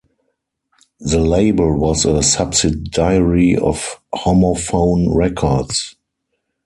The label was a subsidiary of Homophone Records.